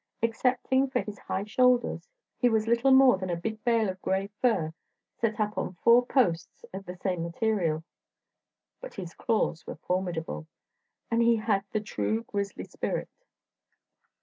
Excepting for his high shoulders, he was little more than a big bale of gray fur set up on four posts of the same material. But his claws were formidable, and he had the true grizzly spirit.